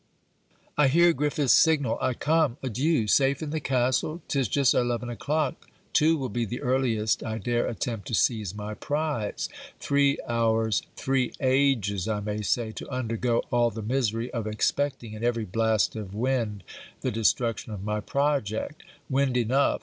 I hear Griffiths' signal. I come. Adieu. Safe in the castle! 'Tis just eleven o'clock. Two will be the earliest I dare attempt to seize my prize. Three hours! three ages, I may say, to undergo all the misery of expecting, in every blast of wind, the destruction of my project! Wind enough!